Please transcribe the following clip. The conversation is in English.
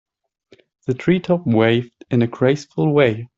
The tree top waved in a graceful way.